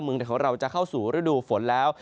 ของเราจะเข้าสู่ฤดูฝนแล้ว